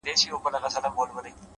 لاس يې د ټولو کايناتو آزاد ـ مړ دي سم ـ